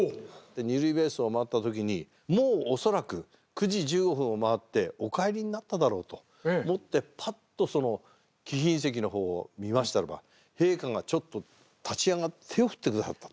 二塁ベースを回ったときにもう恐らく９時１５分を回ってお帰りになっただろうと思ってパッと貴賓席のほうを見ましたらば陛下がちょっと立ち上がって手を振ってくださった。